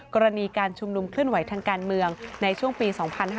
กรณีการชุมนุมเคลื่อนไหวทางการเมืองในช่วงปี๒๕๕๙